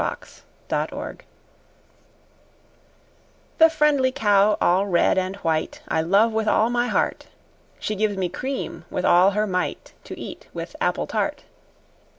XXIII The Cow The friendly cow all red and white, I love with all my heart: She gives me cream with all her might, To eat with apple tart.